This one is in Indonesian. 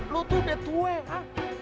lo tuh udah tua